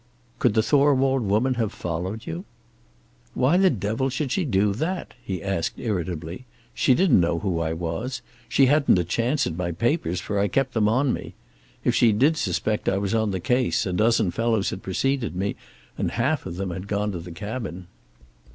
"Could the Thorwald woman have followed you?" "Why the devil should she do that?" he asked irritably. "She didn't know who I was. She hadn't a chance at my papers, for I kept them on me. If she did suspect I was on the case, a dozen fellows had preceded me, and half of them had gone to the cabin."